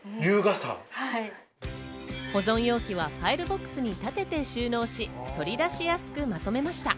保存容器はファイルボックスに立てて収納し、取り出しやすくまとめました。